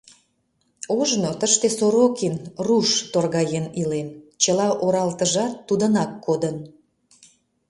Ожно тыште Сорокин руш торгаен илен, чыла оралтыжат тудынак кодын.